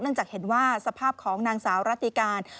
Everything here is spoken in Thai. นั่นจะเห็นว่าสภาพของนางสาวรัฐกาล